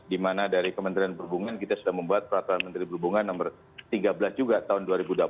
di mana dari kementerian perhubungan kita sudah membuat peraturan menteri perhubungan nomor tiga belas juga tahun dua ribu dua puluh satu